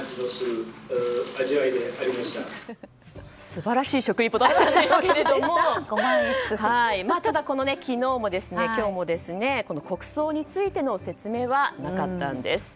素晴らしい食リポだったんですけれども昨日も今日も国葬についての説明はなかったんです。